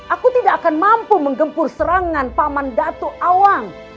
aku tidak akan mampu menggempur serangan paman dato awang